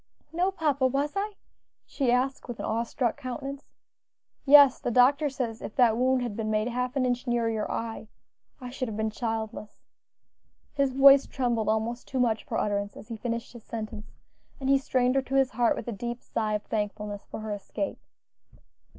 "No, papa, was I?" she asked with an awe struck countenance. "Yes, the doctor says if that wound had been made half an inch nearer your eye I should have been childless." His voice trembled almost too much for utterance as he finished his sentence, and he strained her to his heart with a deep sigh of thankfulness for her escape.